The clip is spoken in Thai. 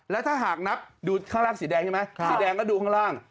แล้วถ้าหากนับดูข้างล่างสีแดงใช่ไหมสีแดงก็ดูข้างล่าง